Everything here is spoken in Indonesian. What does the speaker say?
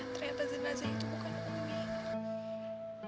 ternyata jenazah itu bukan ekonomi